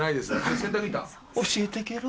教えてけろ。